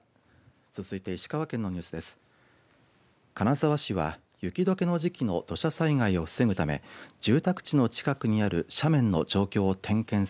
続いて石川県のニュースです。